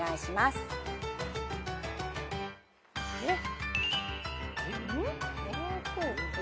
えっ？